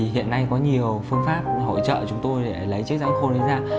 hiện nay có nhiều phương pháp hỗ trợ chúng tôi để lấy chiếc răng khôn ấy ra